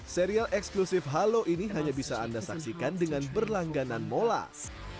serial eksklusif halo ini hanya bisa anda saksikan dengan berlangganan molas